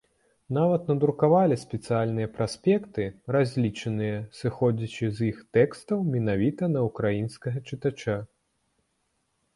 Нават надрукавалі спецыяльныя праспекты, разлічаныя, сыходзячы з іх тэкстаў, менавіта на ўкраінскага чытача.